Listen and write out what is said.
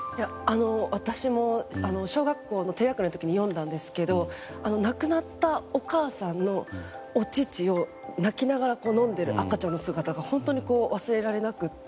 私も小学校の低学年の時に読んだんですけど亡くなったお母さんのお乳を泣きながら飲んでいる赤ちゃんの姿が本当に忘れられなくて。